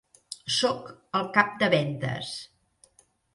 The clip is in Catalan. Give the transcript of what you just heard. Soc el cap de vendes.